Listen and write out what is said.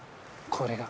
これが。